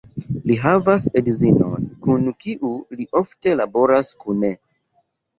Li havas edzinon, kun kiu li ofte laboras kune.